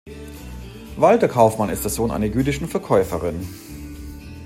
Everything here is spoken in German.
Walter Kaufmann ist der Sohn einer jüdischen Verkäuferin.